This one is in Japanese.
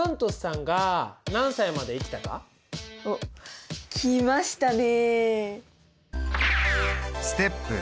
んおっきましたね。